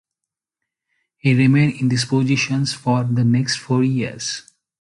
He remained in this position for the next four years.